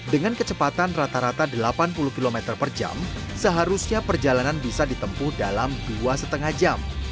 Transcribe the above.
dengan kecepatan rata rata delapan puluh km per jam seharusnya perjalanan bisa ditempuh dalam dua lima jam